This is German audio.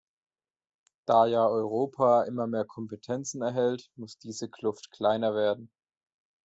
Da ja Europa immer mehr Kompetenzen erhält, muss diese Kluft kleiner werden.